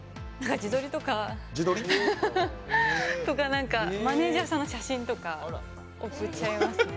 自撮り？マネージャーさんの写真とか送っちゃいますね。